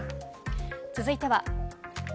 続いては。